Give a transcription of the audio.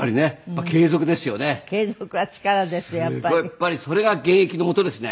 やっぱりそれが現役のもとですね。